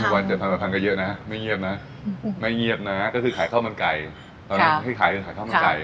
วันจันทร์สำคัญก็เยอะนะไม่เงียบนะไม่เงียบนะก็คือขายข้าวมันไก่ตอนนั้นที่ขายจนขายข้าวมันไก่